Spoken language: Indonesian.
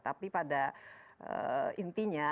tapi pada intinya